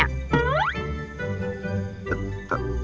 ไม่อะ